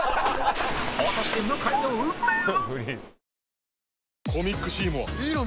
果たして向井の運命は！？